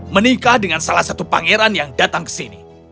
menikah dengan salah satu pangeran yang datang ke sini